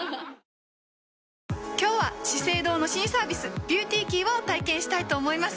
今日は「資生堂」の新サービス「ＢｅａｕｔｙＫｅｙ」を体験したいと思います。